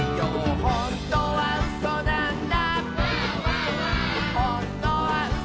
「ほんとにうそなんだ」